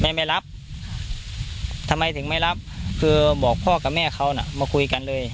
ไม่รับทำไมถึงไม่รับคือบอกพ่อกับแม่เขาน่ะมาคุยกันเลย